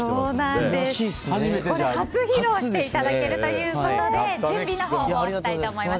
ここで初披露していただけるということで準備をしたいと思います。